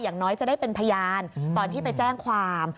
อย่างน้อยจะได้เป็นพยานตอนที่ไปแจ้งความ